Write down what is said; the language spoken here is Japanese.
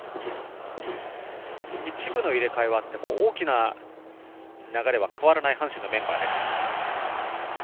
一部の入れ替えはあっても大きな流れは変わらない阪神のメンバーです。